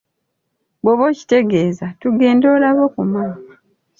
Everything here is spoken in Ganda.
Bw'oba okitegeeza, tugende olaba ku maama.